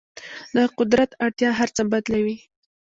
د قدرت اړتیا هر څه بدلوي.